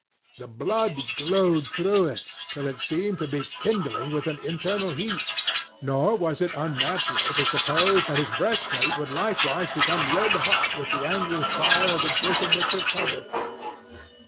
The blood glowed through it till it seemed to be kindling with an internal heat, nor was it unnatural to suppose that his breastplate would likewise become red hot with the angry fire of the bosom which it covered.